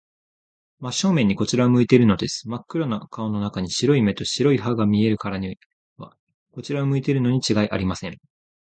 真正面にこちらを向いているのです。まっ黒な顔の中に、白い目と白い歯とが見えるからには、こちらを向いているのにちがいありません。